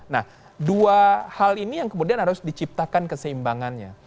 nah dua hal ini yang kemudian harus diciptakan keseimbangannya